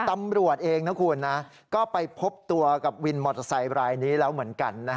ตำรวจเองนะคุณนะ